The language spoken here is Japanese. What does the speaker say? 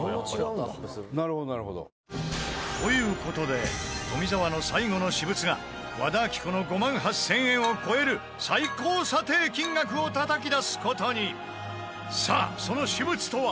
伊達：なるほど、なるほど。という事で富澤の最後の私物が和田アキ子の５万８０００円を超える最高査定金額をたたき出す事にさあ、その私物とは？